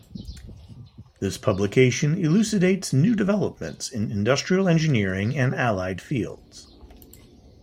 This publication elucidates new developments in industrial engineering and allied fields.